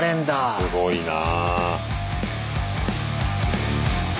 すごいなあ。